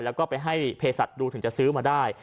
แล้วก็ไปให้เพศัตว์ดูถึงจะซื้อมาได้